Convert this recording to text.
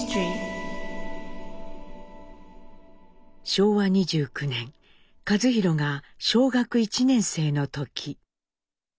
昭和２９年一寛が小学１年生の時。